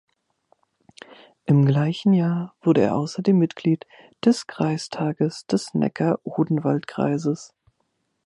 Im gleichen Jahr wurde er außerdem Mitglied des Kreistages des Neckar-Odenwald-Kreises.